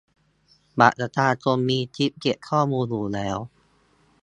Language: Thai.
บัตรประชาชนมีชิปเก็บข้อมูลอยู่แล้ว